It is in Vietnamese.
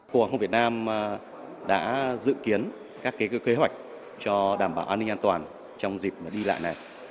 cục hàng không việt nam đã dự kiến các kế hoạch cho đảm bảo an ninh an toàn trong dịp đi lại này